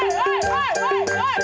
ini dia yang dua nih